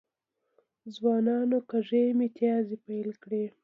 ځوانانو کږې میتیازې پیل کړي.